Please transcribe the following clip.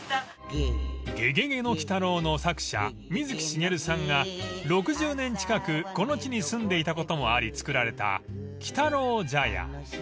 ［『ゲゲゲの鬼太郎』の作者水木しげるさんが６０年近くこの地に住んでいたこともあり造られた鬼太郎茶屋］